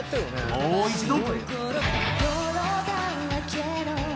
もう一度！